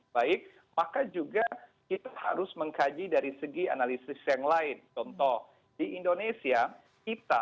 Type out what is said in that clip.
baik maka juga kita harus mengkaji dari segi analisis yang lain contoh di indonesia kita